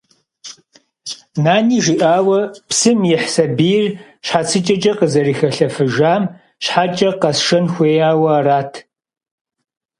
Нани жиӏауэ, псым ихь сабийр щхьэцыкӏэкӏэ къызэрыхилъэфыжам щхьэкӏэ къэсшэн хуеяуэ арат?